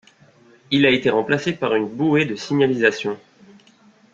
Il a été remplacé par une bouée de signalisation.